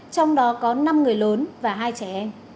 trong đó có năm người lớn và hai trẻ